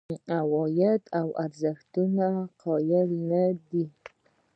عوایدو ارزښت قایل نه دي.